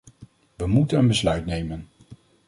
We moeten een besluit nemen.